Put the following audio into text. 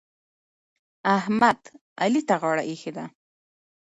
احمد؛ علي ته غاړه ايښې ده.